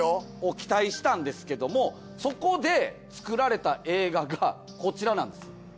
期待したんですけどもそこで作られた映画がこちらなんです。